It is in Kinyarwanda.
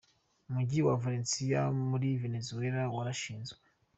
Umujyi wa Valencia wo muri Venezuela warashinzwe.